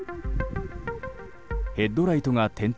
ヘッドライトが点灯。